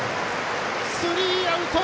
スリーアウト！